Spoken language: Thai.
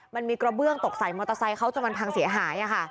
มันมีกระเบื้องตกใส่มอเตอร์ไซค์จนมันพังเสียหาย